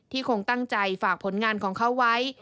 คงตั้งใจฝากผลงานของเขาไว้